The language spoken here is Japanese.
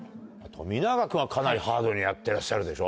冨永君はかなりハードにやってらっしゃるでしょ？